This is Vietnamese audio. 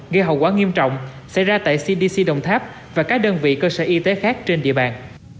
gây hậu quả nghiêm trọng xảy ra tại cdc đồng tháp và các đơn vị cơ sở y tế khác trên địa bàn